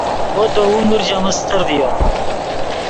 وو دے عمر ژے من استر ڤیو